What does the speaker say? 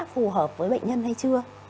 phù hợp với bệnh nhân hay chưa